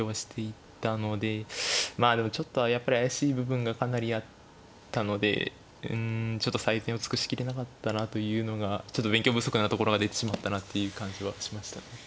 まあでもちょっとやっぱり怪しい部分がかなりあったのでうんちょっと最善を尽くしきれなかったなというのがちょっと勉強不足なところが出てしまったなという感じはしましたね。